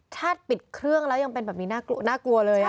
ปิดเครื่องแล้วยังเป็นแบบนี้น่ากลัวเลย